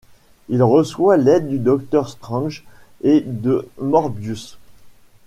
Il reçoit l'aide de Docteur Strange et de Morbius.